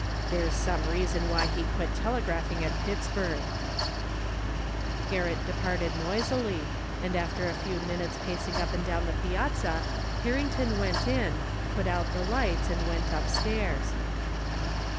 There's some reason why he quit telegraphing at Pittsburgh." Garrett departed noisily, and after a few minutes pacing up and down the piazza Harrington went in, put out the lights and went upstairs.